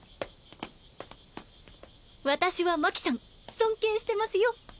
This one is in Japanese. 私は真希さん尊敬してますよ。